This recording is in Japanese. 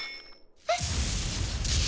えっ？